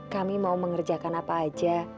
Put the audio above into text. kami mau mengerjakan apa aja